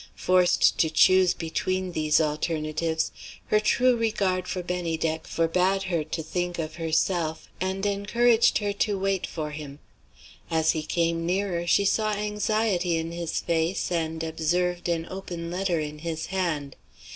Forced to choose between these alternatives, her true regard for Bennydeck forbade her to think of herself, and encouraged her to wait for him. As he came nearer, she saw anxiety in his face and observed an open letter in his hand.